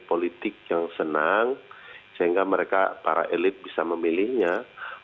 mestinya ada ruang komunikasi antara presiden dan rakyat